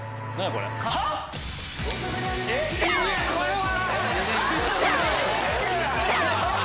⁉これは！